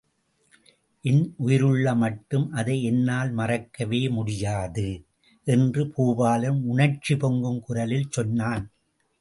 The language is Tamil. என் உயிருள்ள மட்டும் அதை என்னால் மறக்கவே முடியாது...! என்று பூபாலன், உணர்ச்சி பொங்கும் குரலில் சொன்னான்.